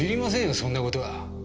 そんなことは。